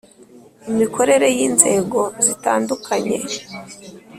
Imikorere y inzego zitandukanye